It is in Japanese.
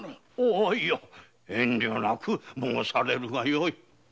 いや遠慮なく申されるがよい。